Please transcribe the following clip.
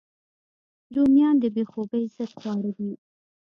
رومیان د بې خوبۍ ضد خواړه دي